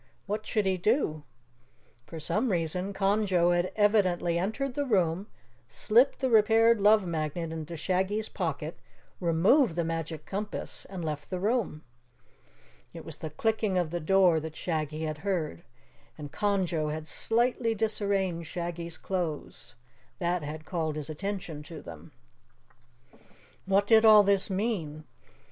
What should he do? For some reason Conjo had evidently entered the room, slipped the repaired Love Magnet into Shaggy's pocket, removed the Magic Compass, and left the room. It was the clicking of the door that Shaggy had heard. And Conjo had slightly disarranged Shaggy's clothes that had called his attention to them. What did all this mean?